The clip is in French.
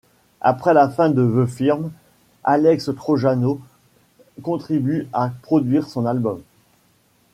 Après la fin de The Firm, Alex Trojano contribue à produire son album '.